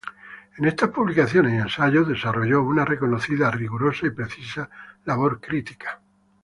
En estas publicaciones y ensayos desarrolló una reconocida, rigurosa y precisa labor crítica.